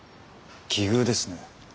奇遇ですね。